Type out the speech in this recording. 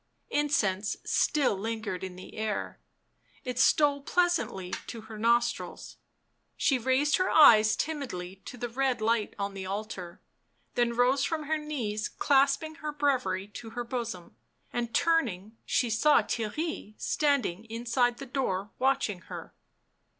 Incense still lingered in the air; it stole pleasantly to her nostrils; she raised her eyes timidly to the red light on the altar, then rose from her knees clasping her breviary to her bosom, and turning she saw Theirry standing inside the door watching her.